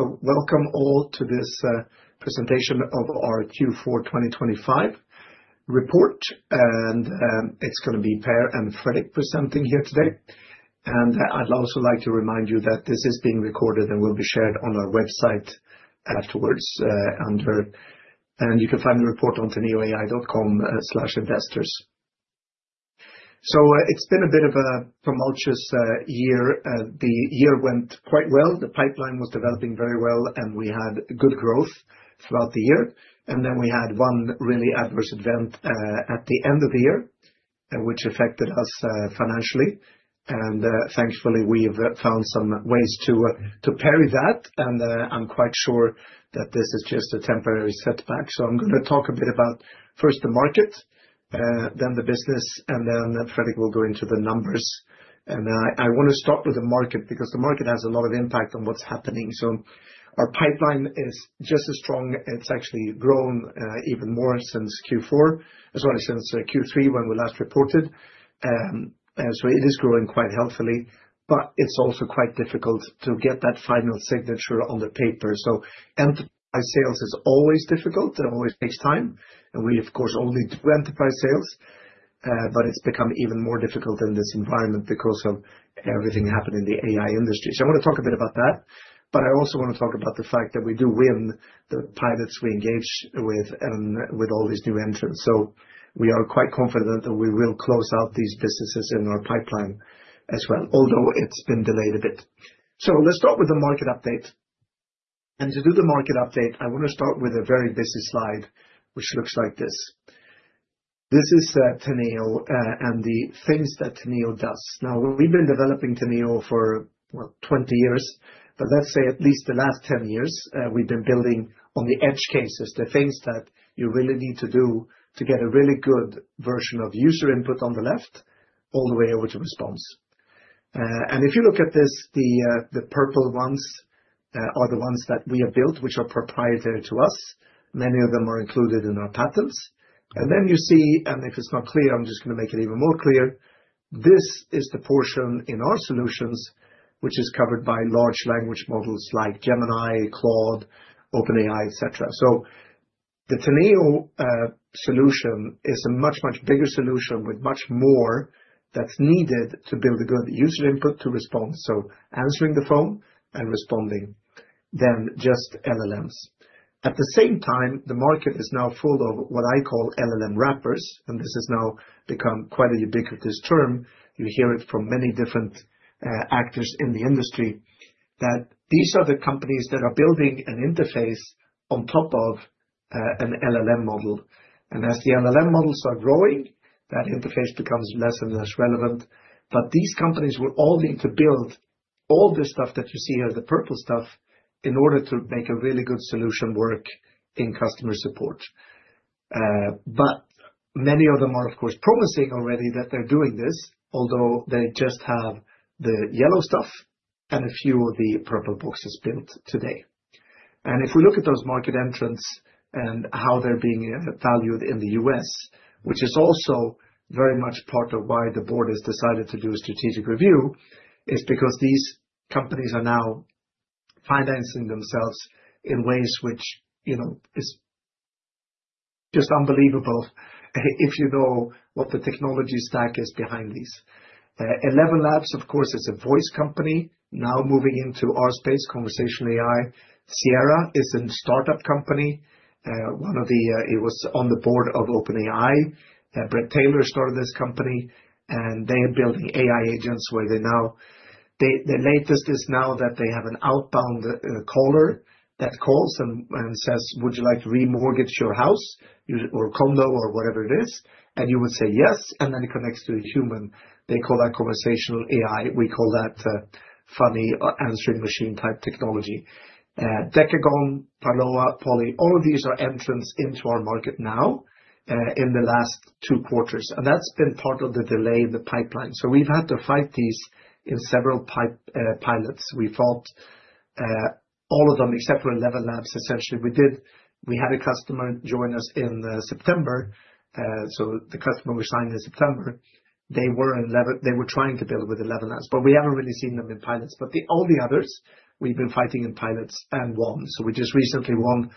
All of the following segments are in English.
Welcome all to this presentation of our Q4 2025 report, and it's gonna be Per and Fredrik presenting here today. I'd also like to remind you that this is being recorded and will be shared on our website afterwards. You can find the report on teneoai.com/investors. It's been a bit of a tumultuous year. The year went quite well. The pipeline was developing very well, and we had good growth throughout the year. Then we had one really adverse event at the end of the year, which affected us financially. Thankfully, we've found some ways to parry that, and I'm quite sure that this is just a temporary setback. I'm gonna talk a bit about first the market, then the business, and then Fredrik will go into the numbers. I wanna start with the market because the market has a lot of impact on what's happening. Our pipeline is just as strong. It's actually grown even more since Q4, as well as since Q3, when we last reported. It is growing quite healthily, but it's also quite difficult to get that final signature on the paper. Enterprise sales is always difficult. It always takes time, and we, of course, only do enterprise sales. It's become even more difficult in this environment because of everything happening in the AI industry. I want to talk a bit about that, but I also want to talk about the fact that we do win the pilots we engage with and with all these new entrants. We are quite confident that we will close out these businesses in our pipeline as well, although it's been delayed a bit. Let's start with the market update. To do the market update, I want to start with a very busy slide, which looks like this. This is Teneo and the things that Teneo does. Now, we've been developing Teneo for, well, 20 years, but let's say at least the last 10 years, we've been building on the edge cases, the things that you really need to do to get a really good version of user input on the left, all the way over to response. If you look at this, the purple ones are the ones that we have built, which are proprietary to us. Many of them are included in our patents. Then you see, and if it's not clear, I'm just gonna make it even more clear, this is the portion in our solutions which is covered by large language models like Gemini, Claude, OpenAI, et cetera. The Teneo solution is a much, much bigger solution with much more that's needed to build a good user input to response, so answering the phone and responding, than just LLMs. At the same time, the market is now full of what I call LLM wrappers, and this has now become quite a ubiquitous term. You hear it from many different actors in the industry that these are the companies that are building an interface on top of an LLM model. As the LLM models are growing, that interface becomes less and less relevant. These companies will all need to build all the stuff that you see as the purple stuff in order to make a really good solution work in customer support. Many of them are, of course, promising already that they're doing this, although they just have the yellow stuff and a few of the purple boxes built today. If we look at those market entrants and how they're being valued in the U.S., which is also very much part of why the Board has decided to do a strategic review, is because these companies are now financing themselves in ways which, you know, is just unbelievable, if you know what the technology stack is behind these. ElevenLabs, of course, is a voice company now moving into our space, Conversational AI. Sierra is a startup company. It was on the board of OpenAI. Bret Taylor started this company, and they are building AI agents, where they now, the latest is now that they have an outbound caller that calls and says, "Would you like to remortgage your house or condo?" Or whatever it is, and you would say, "Yes," and then it connects to a human. They call that Conversational AI. We call that funny answering machine type technology. Decagon, Parloa, Poly, all of these are entrants into our market now in the last two quarters, and that's been part of the delay in the pipeline. We've had to fight these in several pilots. We fought all of them except for ElevenLabs. Essentially, we had a customer join us in September. The customer we signed in September, they were trying to build with ElevenLabs, but we haven't really seen them in pilots. All the others, we've been fighting in pilots and won. We just recently won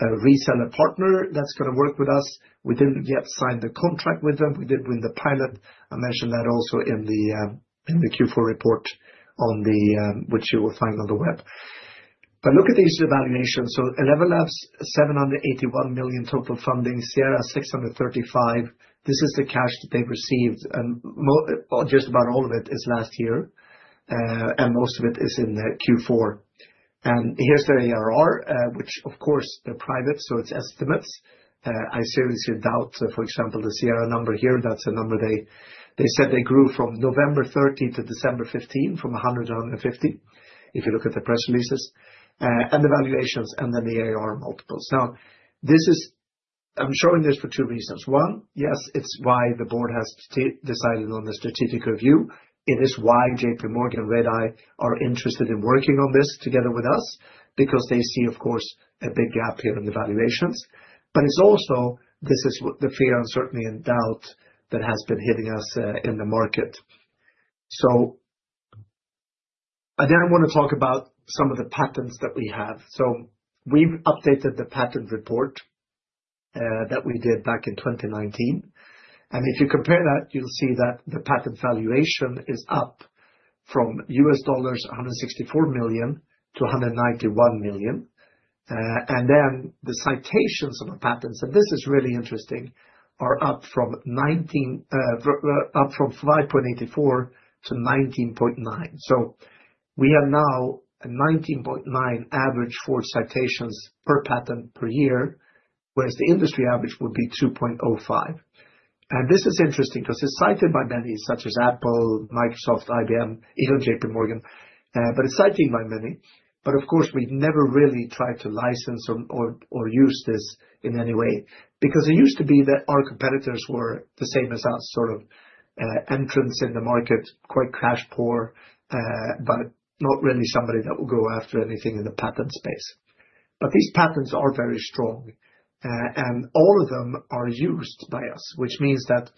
a reseller partner that's gonna work with us. We didn't yet sign the contract with them. We did win the pilot. I mentioned that also in the Q4 report, which you will find on the web. Look at these evaluations. ElevenLabs, $781 million total funding, Sierra $635. This is the cash that they've received, and just about all of it is last year, and most of it is in the Q4. Here's the ARR, which of course, they're private, so it's estimates. I seriously doubt, for example, the Sierra number here. That's a number they said they grew from November 13 to December 15, from $100-$150, if you look at the press releases and the valuations and then the ARR multiples. I'm showing this for two reasons. One, yes, it's why the board has decided on the strategic review. It is why JPMorgan, Redeye are interested in working on this together with us, because they see, of course, a big gap here in the valuations. It's also, this is what the fear, uncertainty and doubt that has been hitting us in the market. I want to talk about some of the patents that we have. We've updated the patent report that we did back in 2019, and if you compare that, you'll see that the patent valuation is up from $164 million to $191 million. Then the citations on the patents, and this is really interesting, are up from 5.84 to 19.9. We are now at 19.9 average for citations per patent per year, whereas the industry average would be 2.05. This is interesting because it's cited by many, such as Apple, Microsoft, IBM, even JPMorgan, but it's cited by many. Of course, we've never really tried to license or use this in any way, because it used to be that our competitors were the same as us, sort of entrants in the market, quite cash poor, but not really somebody that will go after anything in the patent space. These patents are very strong, and all of them are used by us, which means that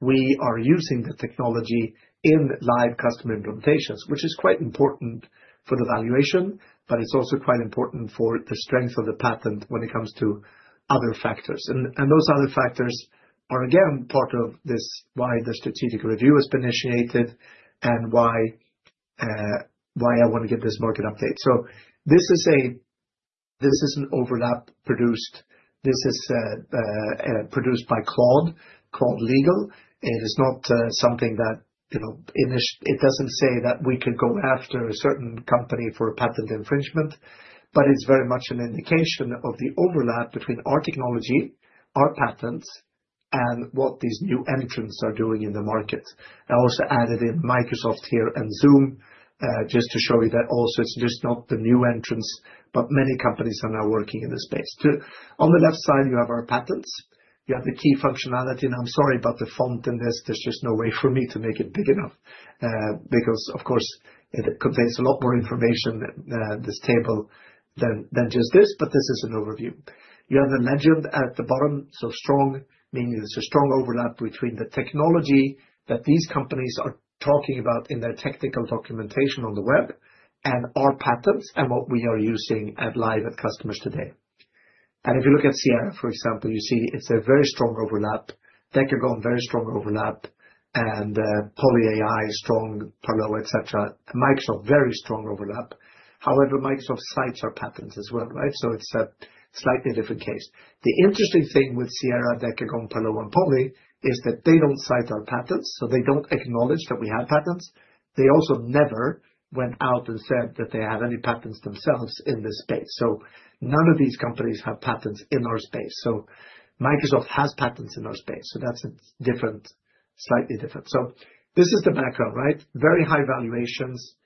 we are using the technology in live customer implementations, which is quite important for the valuation, but it's also quite important for the strength of the patent when it comes to other factors. Those other factors are, again, part of this, why the strategic review has been initiated and why I want to give this market update. This is an overlap produced by Claude Legal. It is not something that, you know, it doesn't say that we could go after a certain company for a patent infringement, but it's very much an indication of the overlap between our technology, our patents, and what these new entrants are doing in the market. I also added in Microsoft here and Zoom just to show you that also it's just not the new entrants, but many companies are now working in this space, too. On the left side, you have our patents. You have the key functionality, and I'm sorry about the font in this. There's just no way for me to make it big enough because, of course, it contains a lot more information, this table, than just this, but this is an overview. You have the legend at the bottom, so strong, meaning there's a strong overlap between the technology that these companies are talking about in their technical documentation on the web, and our patents and what we are using live with customers today. If you look at Sierra, for example, you see it's a very strong overlap. Decagon, very strong overlap, and PolyAI, strong, Parloa, et cetera. Microsoft, very strong overlap. However, Microsoft cites our patents as well, right? So it's a slightly different case. The interesting thing with Sierra, Decagon, Parloa, and Poly is that they don't cite our patents, so they don't acknowledge that we have patents. They also never went out and said that they have any patents themselves in this space. None of these companies have patents in our space. Microsoft has patents in our space, so that's a different, slightly different. This is the background, right? Very high valuations,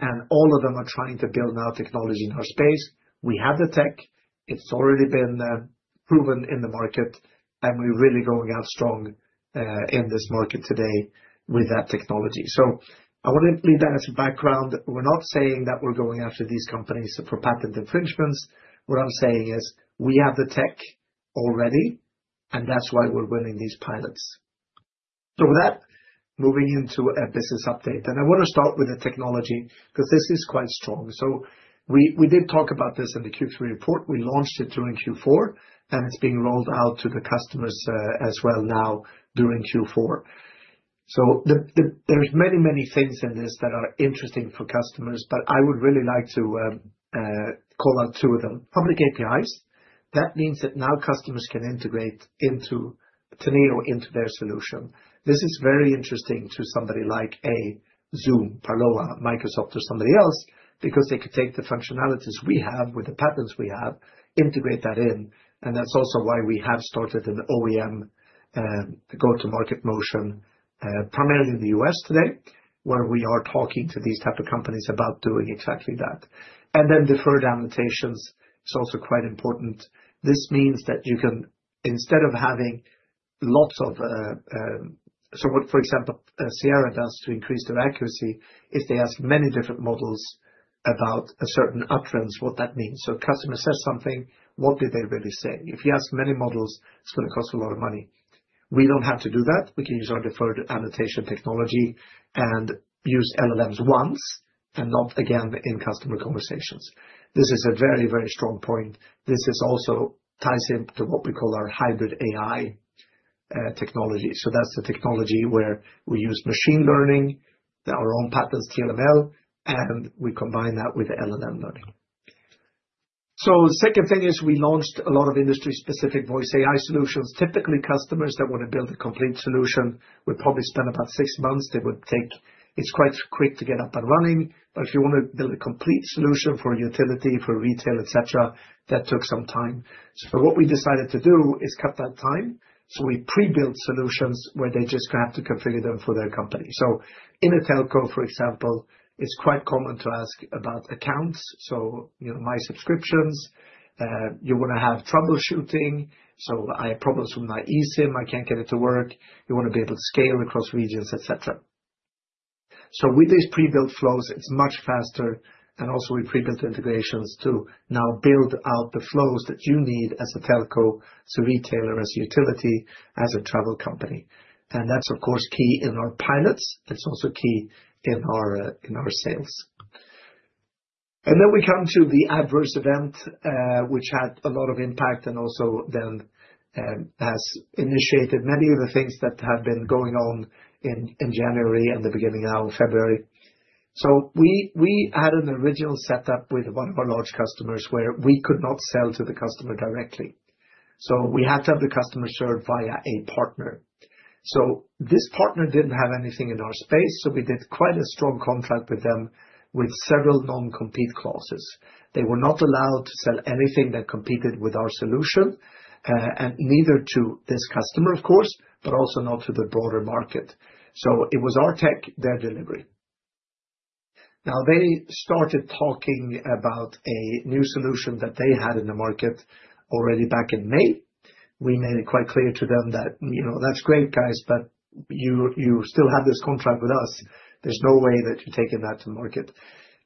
and all of them are trying to build now technology in our space. We have the tech, it's already been proven in the market, and we're really going out strong in this market today with that technology. I want to leave that as a background. We're not saying that we're going after these companies for patent infringements. What I'm saying is, we have the tech already, and that's why we're winning these pilots. With that, moving into a business update, and I want to start with the technology, because this is quite strong. We did talk about this in the Q3 report. We launched it during Q4, and it's being rolled out to the customers as well now during Q4. There's many, many things in this that are interesting for customers, but I would really like to call out two of them. Public APIs. That means that now customers can integrate Teneo into their solution. This is very interesting to somebody like a Zoom, Parloa, Microsoft or somebody else, because they could take the functionalities we have with the patents we have, integrate that in, and that's also why we have started an OEM go-to-market motion, primarily in the U.S. today, where we are talking to these type of companies about doing exactly that. Deferred Annotations is also quite important. This means that you can, instead of having lots of... what, for example, Sierra does to increase their accuracy is they ask many different models about a certain utterance, what that means. A customer says something, what did they really say? If you ask many models, it's going to cost a lot of money. We don't have to do that. We can use our Deferred Annotation technology and use LLMs once and not again in customer conversations. This is a very, very strong point. This is also ties into what we call our Hybrid AI technology. That's the technology where we use machine learning, our own patents, TLML, and we combine that with LLM learning. The second thing is we launched a lot of industry-specific voice AI solutions. Typically, customers that want to build a complete solution would probably spend about six months. It's quite quick to get up and running, but if you want to build a complete solution for utility, for retail, et cetera, that took some time. What we decided to do is cut that time. We pre-built solutions where they just have to configure them for their company. In a telco, for example, it's quite common to ask about accounts. You know, my subscriptions, you want to have troubleshooting. I have problems with my eSIM. I can't get it to work. You want to be able to scale across regions, et cetera. With these pre-built flows, it's much faster, and also with pre-built integrations to now build out the flows that you need as a telco, as a retailer, as a utility, as a travel company. That's, of course, key in our pilots. It's also key in our sales. Then we come to the adverse event, which had a lot of impact, and also then has initiated many of the things that have been going on in January and the beginning now of February. We had an original setup with one of our large customers, where we could not sell to the customer directly. We had to have the customer served via a partner. This partner didn't have anything in our space, so we did quite a strong contract with them with several non-compete clauses. They were not allowed to sell anything that competed with our solution and neither to this customer, of course, but also not to the broader market. It was our tech, their delivery. They started talking about a new solution that they had in the market already back in May. We made it quite clear to them that, you know, "That's great, guys, but you still have this contract with us. There's no way that you're taking that to the market."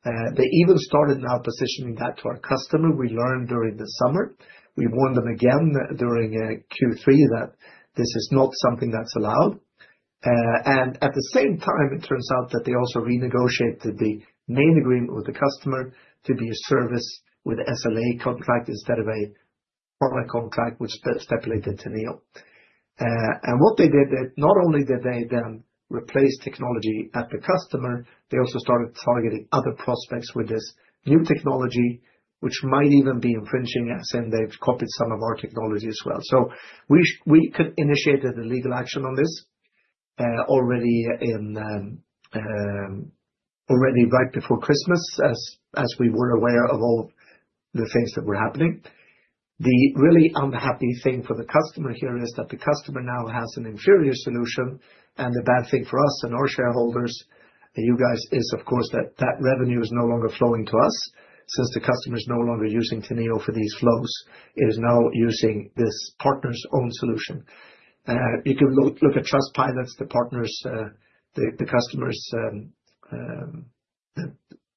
They even started now positioning that to our customer, we learned during the summer. We warned them again during Q3 that this is not something that's allowed. At the same time, it turns out that they also renegotiated the main agreement with the customer to be a service with SLA contract instead of a product contract, which stipulated Teneo. What they did, that not only did they then replace technology at the customer, they also started targeting other prospects with this new technology, which might even be infringing, as in they've copied some of our technology as well. We could initiate the legal action on this already right before Christmas, as we were aware of all the things that were happening. The really unhappy thing for the customer here is that the customer now has an inferior solution, and the bad thing for us and our shareholders, and you guys, is, of course, that that revenue is no longer flowing to us, since the customer is no longer using Teneo for these flows. It is now using this partner's own solution. You can look, look at Trustpilot, the partners, the customers',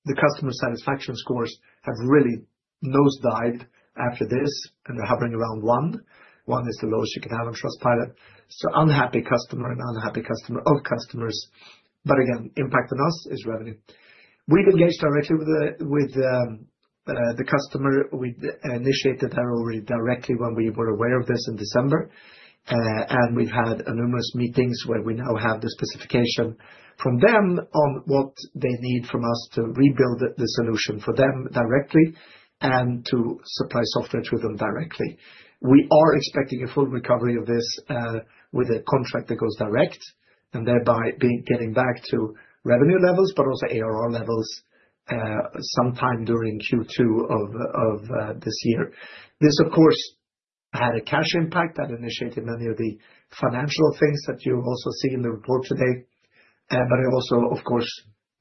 the customer satisfaction scores have really nosedived after this, and they're hovering around 1. 1 is the lowest you can have on Trustpilot. Unhappy customer, and unhappy customer of customers, but again, impact on us is revenue. We've engaged directly with the customer. We initiated there already directly when we were aware of this in December, and we've had numerous meetings where we now have the specification from them on what they need from us to rebuild the solution for them directly, and to supply software to them directly. We are expecting a full recovery of this with a contract that goes direct, and thereby be getting back to revenue levels, but also ARR levels sometime during Q2 of this year. This, of course, had a cash impact that initiated many of the financial things that you also see in the report today, but it also, of course,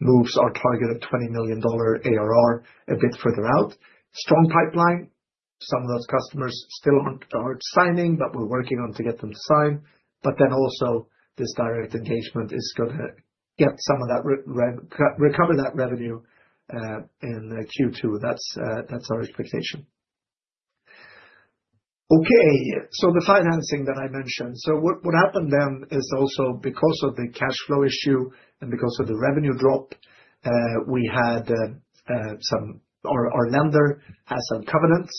moves our target of $20 million ARR a bit further out. Strong pipeline, some of those customers still aren't signing, but we're working on to get them to sign. Then also, this direct engagement is gonna get some of that recover that revenue in Q2. That's our expectation. Okay, the financing that I mentioned. What happened then is also because of the cash flow issue and because of the revenue drop, we had, or our lender had some covenants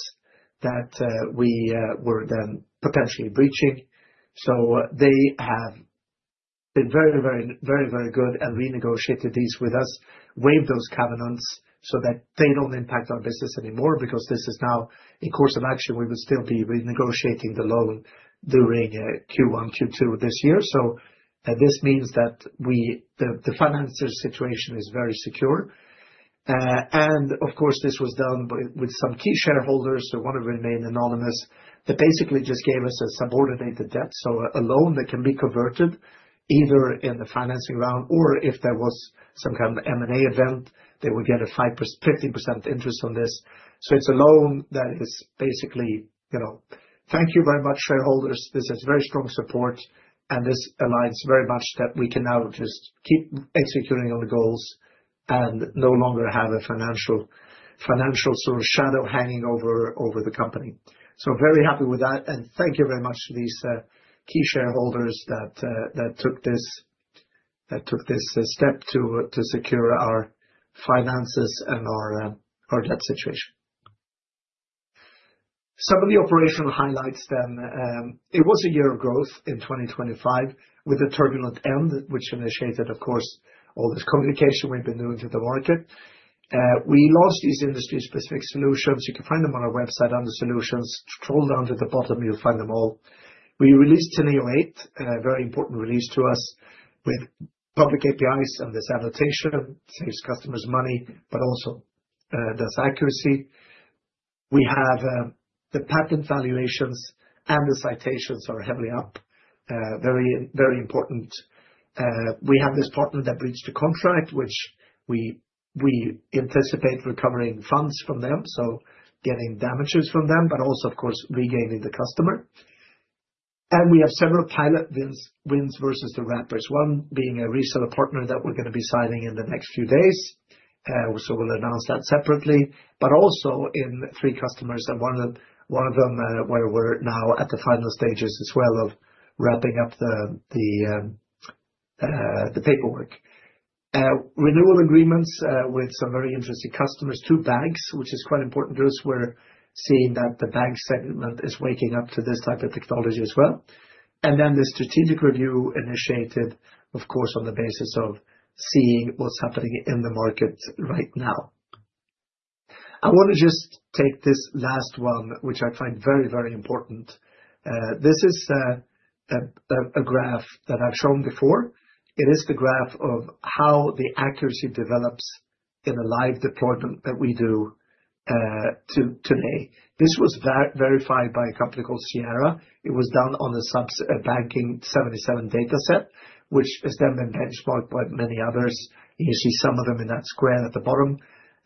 that we were then potentially breaching. They have been very, very, very, very good and renegotiated these with us, waived those covenants so that they don't impact our business anymore, because this is now a course of action we would still be renegotiating the loan during Q1-Q2 this year. This means that the financer situation is very secure, and of course, this was done with some key shareholders, so want to remain anonymous. That basically just gave us a subordinated debt, so a loan that can be converted either in the financing round, or if there was some kind of M&A event, they would get a 15% interest on this. It's a loan that is basically, you know. Thank you very much, shareholders. This is very strong support, and this aligns very much that we can now just keep executing on the goals, and no longer have a financial sort of shadow hanging over the company. Very happy with that, and thank you very much to these key shareholders that took this step to secure our finances and our debt situation. Some of the operational highlights then, it was a year of growth in 2025, with a turbulent end, which initiated, of course, all this communication we've been doing to the market. We launched these industry-specific solutions. You can find them on our website under Solutions. Scroll down to the bottom, you'll find them all. We released Teneo 8, a very important release to us, with public APIs, and this annotation saves customers money, but also does accuracy. We have the patent valuations and the citations are heavily up, very, very important. We have this partner that breached the contract, which we anticipate recovering funds from them, so getting damages from them, but also, of course, regaining the customer. We have several pilot wins, wins versus the wrappers. One being a reseller partner that we're gonna be signing in the next few days, so we'll announce that separately. Also in three customers, and one of them where we're now at the final stages as well of wrapping up the paperwork. Renewal agreements with some very interesting customers, two banks, which is quite important to us. We're seeing that the bank segment is waking up to this type of technology as well. The strategic review initiated, of course, on the basis of seeing what's happening in the market right now. I want to just take this last one, which I find very, very important. This is a graph that I've shown before. It is the graph of how the accuracy develops in a live deployment that we do to May. This was verified by a company called Sierra. It was done on a BANKING77 data set, which has then been benchmarked by many others. You see some of them in that square at the bottom,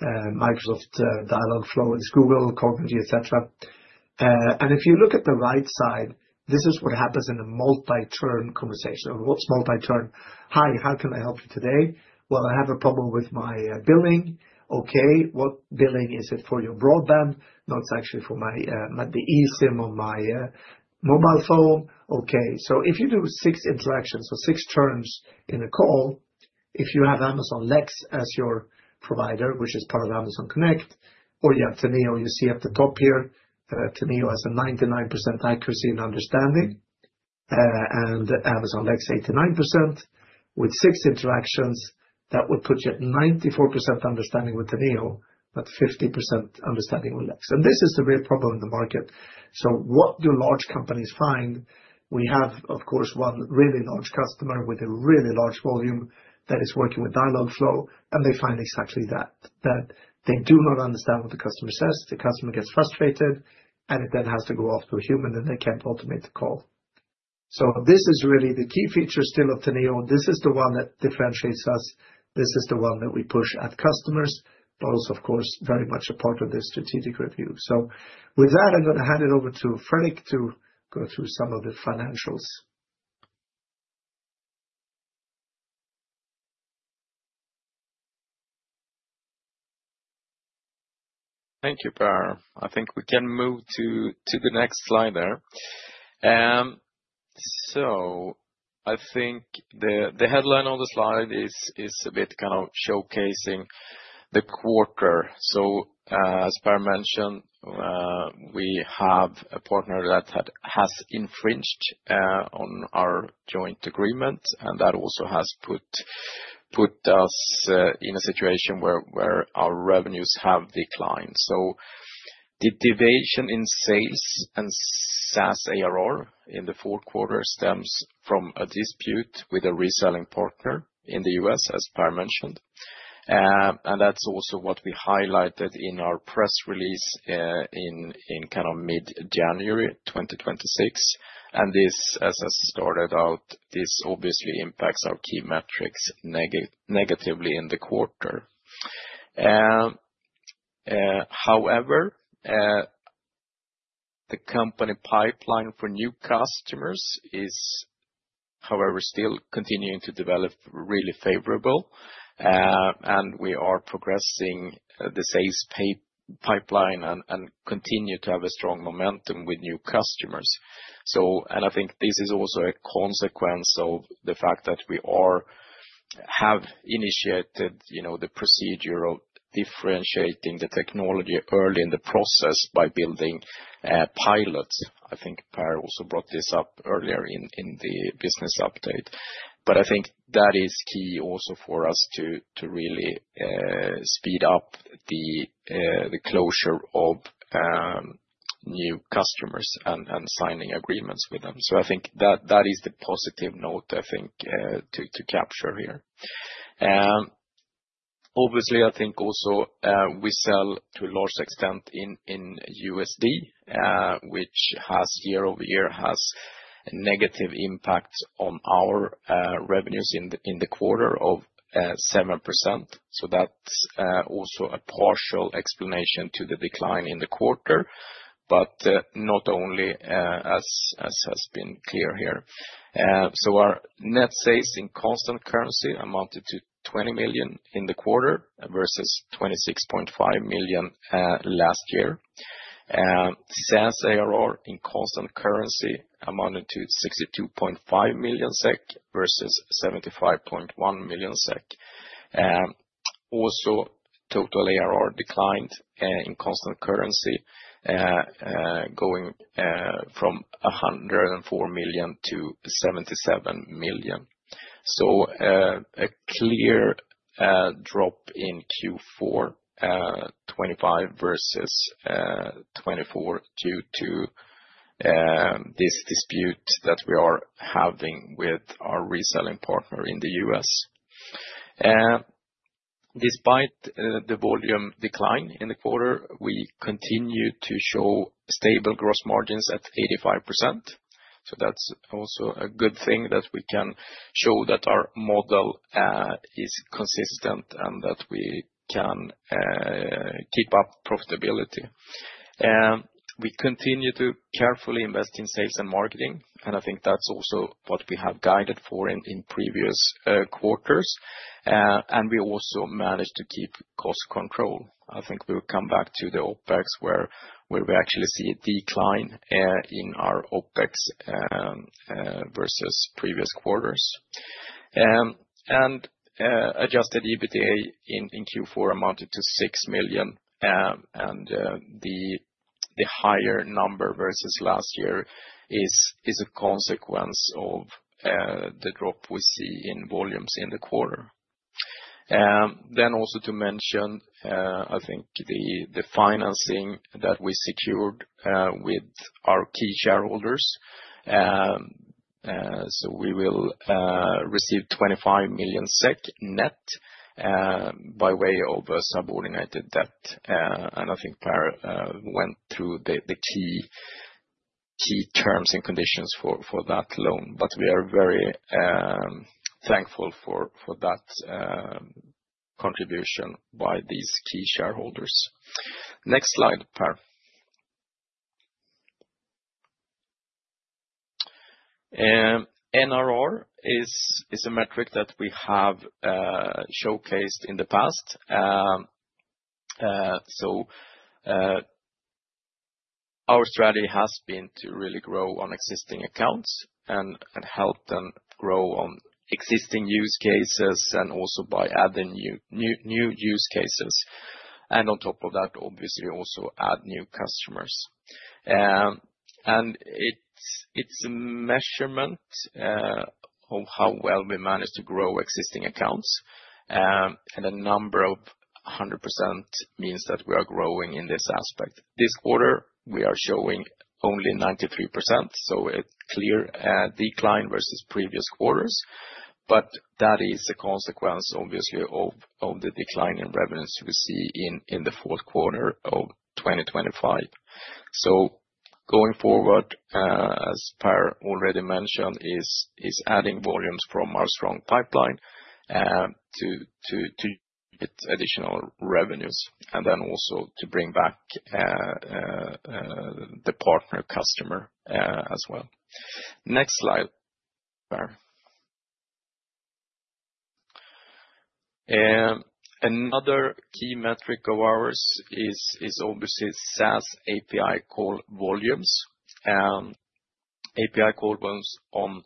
Microsoft, Dialogflow, and Google, Cognigy, et cetera. If you look at the right side, this is what happens in a multi-turn conversation. What's multi-turn? Hi, how can I help you today? Well, I have a problem with my billing. Okay, what billing is it for your broadband? No, it's actually for the eSIM on my mobile phone. Okay. If you do six interactions or six turns in a call, if you have Amazon Lex as your provider, which is part of Amazon Connect, or you have Teneo, you see at the top here, Teneo has a 99% accuracy and understanding, and Amazon Lex, 89%. With six interactions, that would put you at 94% understanding with Teneo, but 50% understanding with Lex. This is the real problem in the market. What do large companies find? We have, of course, one really large customer with a really large volume that is working with Dialogflow, and they find exactly that, that they do not understand what the customer says, the customer gets frustrated, and it then has to go off to a human, and they can't automate the call. This is really the key feature still of Teneo. This is the one that differentiates us. This is the one that we push at customers, but also, of course, very much a part of the strategic review. With that, I'm going to hand it over to Fredrik to go through some of the financials. Thank you, Per. I think we can move to the next slide there. I think the headline on the slide is a bit kind of showcasing the quarter. As Per mentioned, we have a partner that has infringed on our joint agreement, and that also has put us in a situation where our revenues have declined. The deviation in sales and SaaS ARR in the fourth quarter stems from a dispute with a reselling partner in the U.S., as Per mentioned. That's also what we highlighted in our press release in kind of mid-January 2026. This, as I started out, obviously impacts our key metrics negatively in the quarter. However, the company pipeline for new customers is, however, still continuing to develop really favorable, and we are progressing the sales pipeline and continue to have a strong momentum with new customers. I think this is also a consequence of the fact that we have initiated, you know, the procedure of differentiating the technology early in the process by building pilots. I think Per also brought this up earlier in the business update. I think that is key also for us to really speed up the closure of new customers and signing agreements with them. I think that is the positive note, I think, to capture here. Obviously, I think also, we sell to a large extent in the US dollar, which, year-over-year, has negative impacts on our revenues in the quarter of 7%. That's also a partial explanation to the decline in the quarter, but not only, as has been clear here. Our net sales in constant currency amounted to 20 million in the quarter, versus 26.5 million last year. SaaS ARR in constant currency amounted to 62.5 million SEK, versus 75.1 million SEK. Also, total ARR declined in constant currency, going from 104 million to 77 million. A clear drop in Q4 2025 versus 2024 due to this dispute that we are having with our reselling partner in the U.S. Despite the volume decline in the quarter, we continue to show stable gross margins at 85%. That's also a good thing, that we can show that our model is consistent and that we can keep up profitability. We continue to carefully invest in sales and marketing, and I think that's also what we have guided for in previous quarters. We also managed to keep cost control. I think we'll come back to the OpEx, where we actually see a decline in our OpEx versus previous quarters. Adjusted EBITDA in Q4 amounted to 6 million. The higher number versus last year is a consequence of the drop we see in volumes in the quarter. Also to mention, I think the financing that we secured with our key shareholders. We will receive 25 million SEK net by way of a subordinated debt. I think Per went through the key terms and conditions for that loan. We are very thankful for that contribution by these key shareholders. Next slide, Per. NRR is a metric that we have showcased in the past. Our strategy has been to really grow on existing accounts and help them grow on existing use cases, and also by adding new use cases. On top of that, obviously, also add new customers. It's a measurement of how well we manage to grow existing accounts. A number of 100% means that we are growing in this aspect. This quarter, we are showing only 93%, so it's clear decline versus previous quarters. That is a consequence, obviously, of the decline in revenues we see in the fourth quarter of 2025. Going forward, as Per already mentioned, is adding volumes from our strong pipeline to get additional revenues, and then also to bring back the partner customer as well. Next slide, Per. Another key metric of ours is obviously SaaS API call volumes. API call volumes on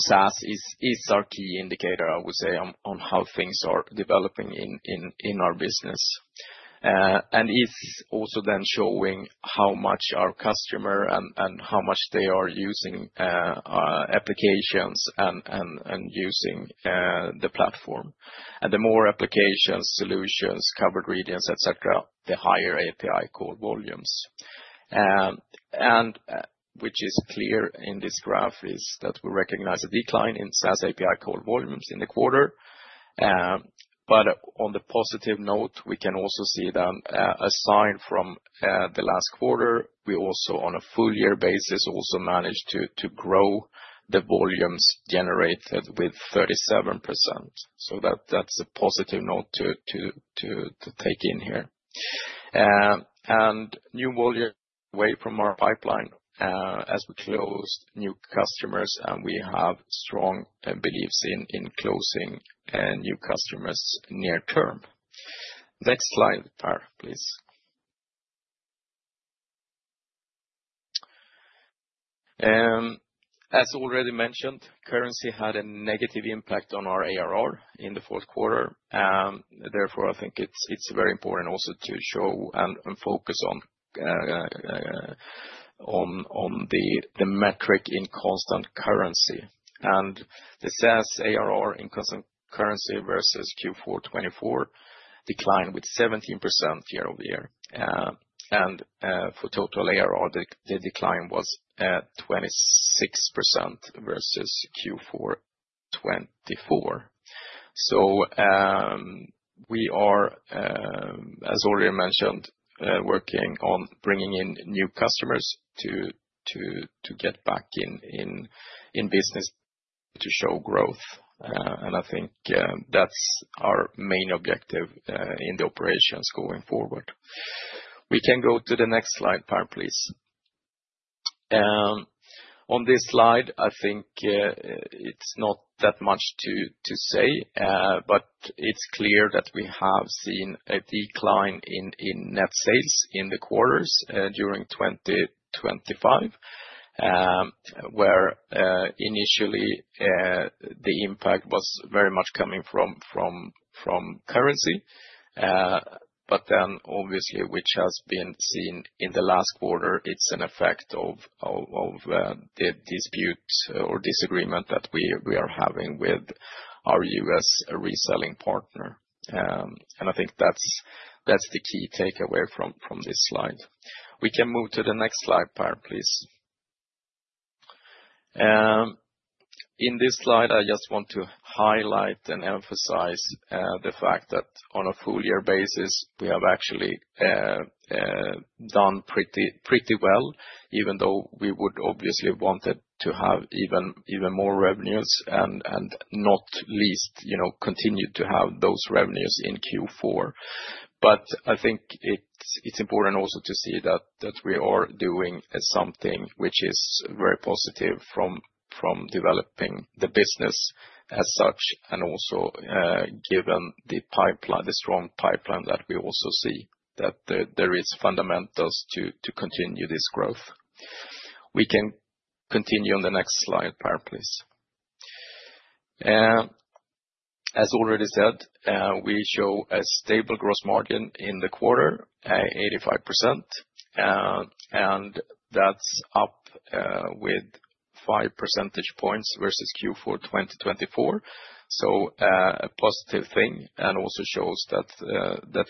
SaaS is our key indicator, I would say, on how things are developing in our business. It's also then showing how much our customer and how much they are using applications and using the platform. The more applications, solutions, covered regions, et cetera, the higher API call volumes. Which is clear in this graph, is that we recognize a decline in SaaS API call volumes in the quarter. On the positive note, we can also see that, aside from the last quarter, we also, on a full year basis, also managed to grow the volumes generated with 37%. That's a positive note to take in here. New volume away from our pipeline as we close new customers, and we have strong beliefs in closing new customers near term. Next slide, Per, please. As already mentioned, currency had a negative impact on our ARR in the fourth quarter. Therefore, I think it's very important also to show and focus on the metric in constant currency. The SaaS ARR in constant currency versus Q4 2024 declined with 17% year-over-year. For total ARR, the decline was at 26% versus Q4 2024. We are, as already mentioned, working on bringing in new customers to get back in business to show growth. I think that's our main objective in the operations going forward. We can go to the next slide, Per, please. On this slide, I think it's not that much to say, but it's clear that we have seen a decline in net sales in the quarters during 2025, where initially the impact was very much coming from currency. Then, obviously, which has been seen in the last quarter, it's an effect of the dispute or disagreement that we are having with our U.S. reselling partner. I think that's the key takeaway from this slide. We can move to the next slide, Per, please. In this slide, I just want to highlight and emphasize the fact that on a full year basis, we have actually done pretty well, even though we would obviously wanted to have even more revenues and not least, you know, continue to have those revenues in Q4. I think it's important also to see that we are doing something which is very positive from developing the business as such, and also given the pipeline, the strong pipeline that we also see. There is fundamentals to continue this growth. We can continue on the next slide, Per, please. As already said, we show a stable gross margin in the quarter, 85%. That's up with five percentage points versus Q4 2024. A positive thing, and also shows that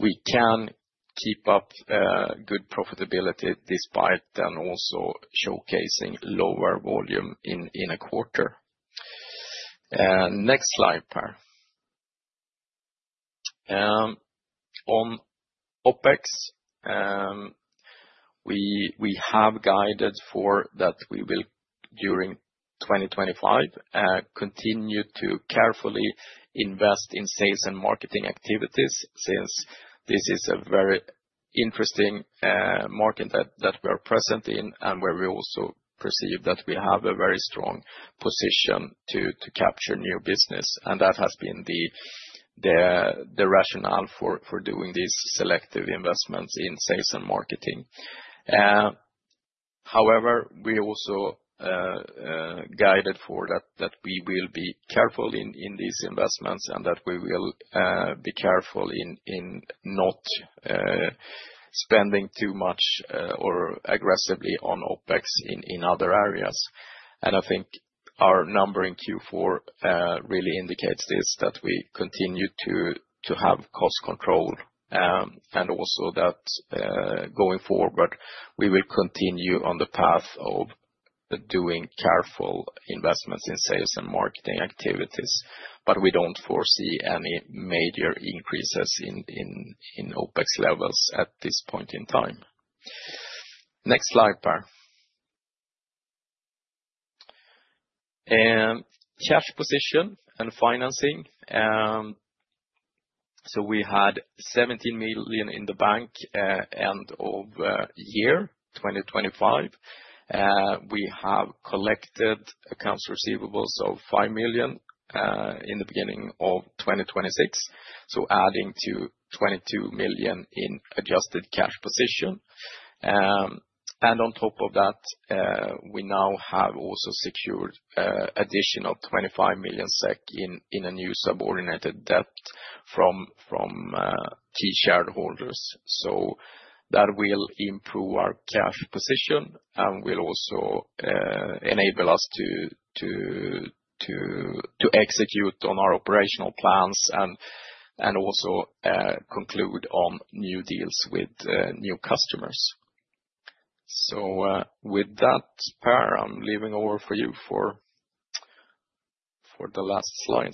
we can keep up good profitability despite then also showcasing lower volume in a quarter. Next slide, Per. On OpEx, we have guided for that we will, during 2025, continue to carefully invest in sales and marketing activities, since this is a very interesting market that we're present in, and where we also perceive that we have a very strong position to capture new business. That has been the rationale for doing these selective investments in sales and marketing. However, we also guided for that we will be careful in these investments, and that we will be careful in not spending too much or aggressively on OpEx in other areas. I think our number in Q4 really indicates this, that we continue to have cost control and also that going forward. We will continue on the path of doing careful investments in sales and marketing activities, but we don't foresee any major increases in OpEx levels at this point in time. Next slide, Per. Cash position and financing. We had 17 million in the bank end of year 2025. We have collected accounts receivables of 5 million in the beginning of 2026, so adding to 22 million in adjusted cash position. On top of that, we now have also secured additional 25 million SEK in a new subordinated debt from key shareholders. That will improve our cash position and will also enable us to execute on our operational plans and also conclude on new deals with new customers. With that, Per, I'm leaving over for you for the last slide.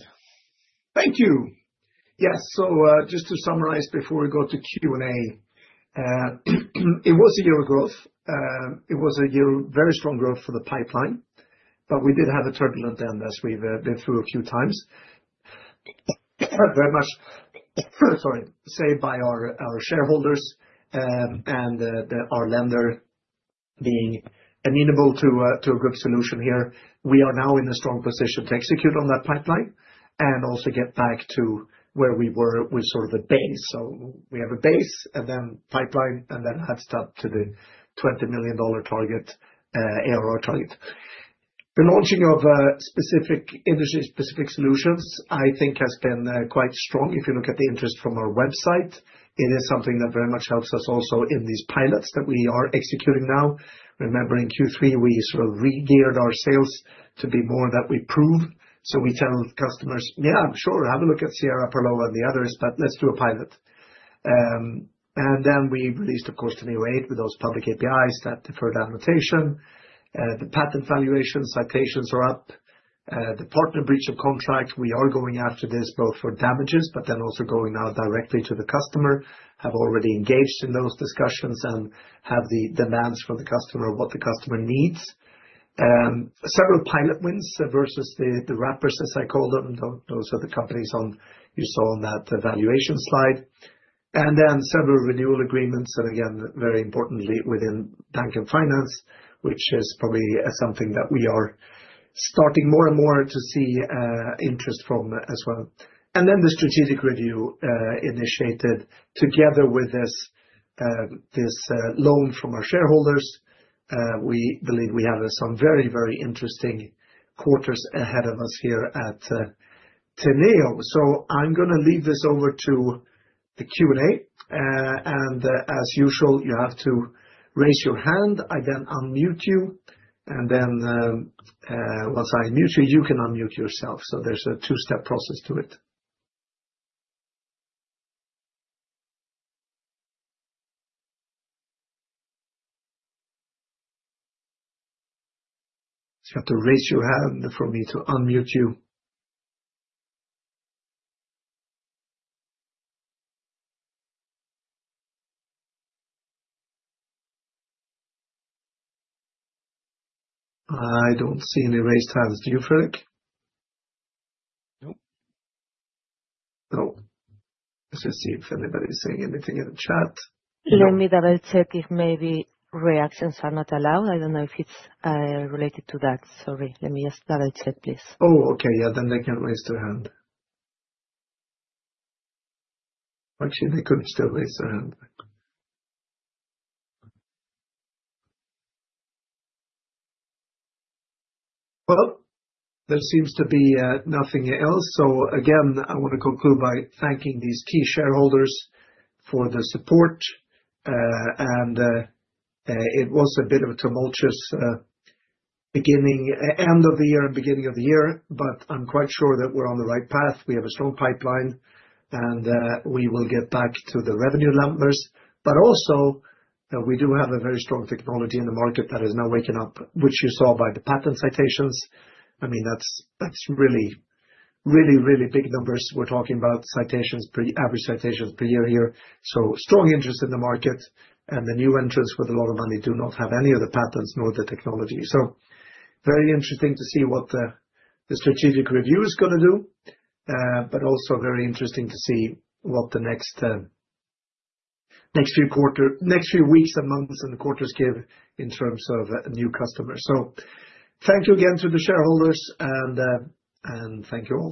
Thank you. Yes, just to summarize before we go to Q&A. It was a year of growth. Very strong growth for the pipeline, but we did have a turbulent end, as we've been through a few times. Very much saved by our shareholders and our lender being amenable to a good solution here. We are now in a strong position to execute on that pipeline and also get back to where we were with sort of a base. We have a base, and then pipeline, and then have stepped up to the $20 million target, ARR target. The launching of industry-specific solutions, I think has been quite strong. If you look at the interest from our website, it is something that very much helps us also in these pilots that we are executing now. Remembering Q3, we sort of regeared our sales to be more that we prove. We tell customers, "Yeah, sure, have a look at Sierra, Parloa, and the others, but let's do a pilot." We released, of course, Teneo 8 with those public APIs, that deferred annotation. The patent valuation citations are up. The partner breach of contract, we are going after this, both for damages, but then also going out directly to the customer. Have already engaged in those discussions, and have the demands from the customer, what the customer needs. Several pilot wins versus the wrappers, as I call them. Those are the companies you saw on that evaluation slide. Several renewal agreements, and again, very importantly, within bank and finance, which is probably something that we are starting more and more to see interest from as well. The strategic review initiated together with this loan from our shareholders. We believe we have some very, very interesting quarters ahead of us here at Teneo. I'm gonna leave this over to the Q.&A. As usual, you have to raise your hand. I then unmute you, and then once I mute you, you can unmute yourself. There's a two-step process to it. Just have to raise your hand for me to unmute you. I don't see any raised hands. Do you, Fredrik? Nope. No. Let's just see if anybody is saying anything in the chat. Tell me that. I check if maybe reactions are not allowed. I don't know if it's related to that. Sorry, let me just double-check, please. Oh, okay. Yeah, then they can't raise their hand. Actually, they could still raise their hand. Well, there seems to be nothing else. Again, I want to conclude by thanking these key shareholders for the support. It was a bit of a tumultuous end of the year and beginning of the year, but I'm quite sure that we're on the right path. We have a strong pipeline, and we will get back to the revenue numbers. Also, we do have a very strong technology in the market that is now waking up, which you saw by the patent citations. I mean, that's really, really, really big numbers. We're talking about average citations per year here. Strong interest in the market, and the new entrants with a lot of money do not have any of the patents nor the technology. Very interesting to see what the strategic review is gonna do, but also very interesting to see what the next few weeks, and months, and quarters give in terms of new customers. Thank you again to the shareholders, and thank you all.